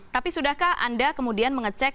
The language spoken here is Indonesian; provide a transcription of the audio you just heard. tapi sudahkah anda kemudian mengecek